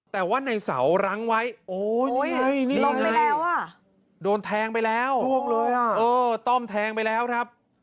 แต่ว่าในสาวรั้งไว้โอ้โหนี่ไงนี่ไงลงไปแล้วอ่ะ